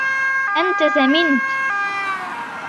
أنت سمنت.